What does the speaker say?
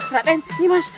raten ini mas